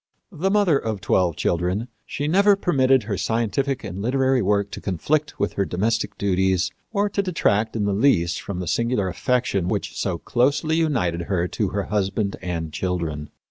The mother of twelve children, she never permitted her scientific and literary work to conflict with her domestic duties or to detract in the least from the singular affection which so closely united her to her husband and children.